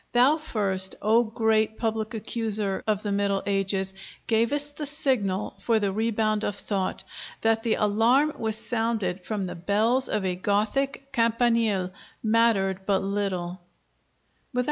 Thou first, O great public accuser of the Middle Ages, gavest the signal for the rebound of thought. That the alarm was sounded from the bells of a Gothic campanile mattered but little.'"